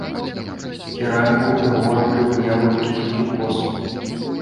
Кераміку ўпрыгожвалі выявы птушак і коз.